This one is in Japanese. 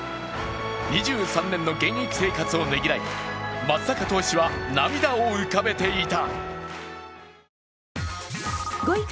２３年の現役生活をねぎらい、松坂投手は涙を浮かべていた。